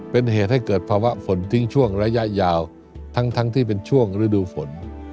เป็นเหตุให้เกิดภาวะฝนทิ้งช่วงระยะยาวทั้งที่เป็นช่วงฤดูฝน